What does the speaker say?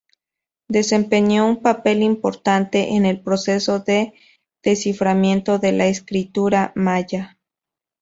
Desempeñó un papel importante en el proceso de desciframiento de la escritura maya.